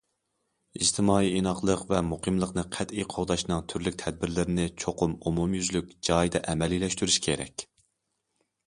ئىجتىمائىي ئىناقلىق ۋە مۇقىملىقنى قەتئىي قوغداشنىڭ تۈرلۈك تەدبىرلىرىنى چوقۇم ئومۇميۈزلۈك، جايىدا ئەمەلىيلەشتۈرۈش كېرەك.